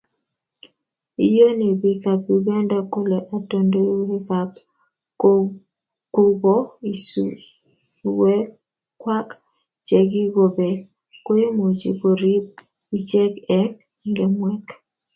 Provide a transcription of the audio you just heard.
iyoni biikab Uganda kole otondoiwekab kukoisuekwak chekikobek koimuchi koriib ichek eng' ng'emwek.